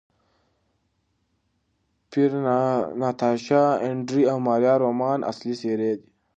پییر، ناتاشا، اندرې او ماریا د رومان اصلي څېرې دي.